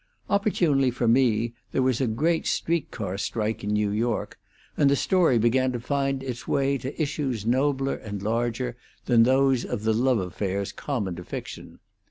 Opportunely for me there was a great street car strike in New York, and the story began to find its way to issues nobler and larger than those of the love affairs common to fiction.